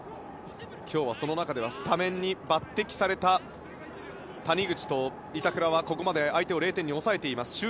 今日はその中でスタメンに抜擢された谷口と板倉はここまで相手を０点に抑えています。